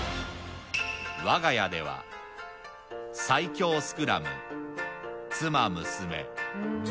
我が家では、最強スクラム妻・娘。